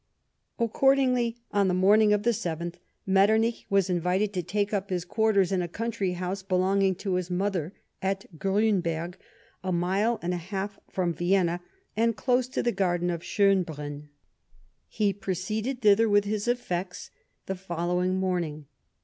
Accordingly, on the morning of the 7th, Met ternich was invited to take up his quarters in a country house belonging to his mother, at Griinberg, a mile and a half from Vienna, and close to the garden of Schon brunn. He proceeded thither, with his effects, the fol lowing morninw.